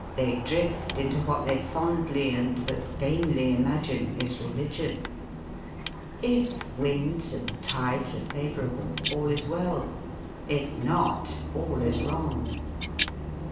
They drift into what they fondly and but vainly imagine is religion. If winds and tides are favorable, all is well; if not, all is wrong.